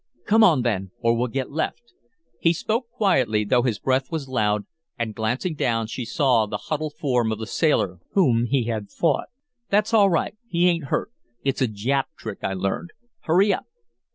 Come on, then, or we'll get left." He spoke quietly, though his breath was loud, and, glancing down, she saw the huddled form of the sailor whom he had fought. "That's all right he ain't hurt. It's a Jap trick I learned. Hurry up!"